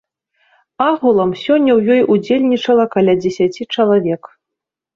Агулам сёння ў ёй удзельнічала каля дзесяці чалавек.